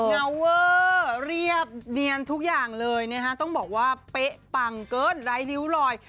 เงาเวอร์เรียบเนียนทุกอย่างเลยนะฮะต้องบอกว่าเป๊ะปังเกินไร้ริ้วลอย